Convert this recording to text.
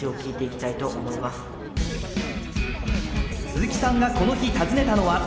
鈴木さんがこの日訪ねたのは。